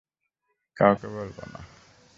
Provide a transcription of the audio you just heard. কাউকে বলব না।